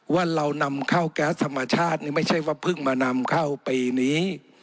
ว่าเรานำเข้าแก๊สธรรมชาตินี่ไม่ใช่ว่าเพิ่งมานำเข้าปีนี้